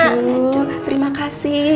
aduh terima kasih